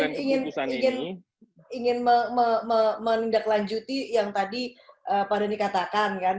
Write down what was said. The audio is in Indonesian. saya tadi ingin menindaklanjuti yang tadi pada dikatakan kan